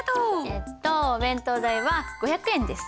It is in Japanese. えっとお弁当代は５００円です。